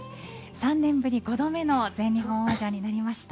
３年ぶり５度目の全日本王者になりました。